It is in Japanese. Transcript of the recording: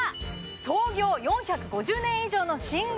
創業４５０年以上の寝具